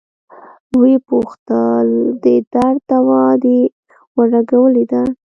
ويې پوښتله د درد دوا دې ورلګولې ده.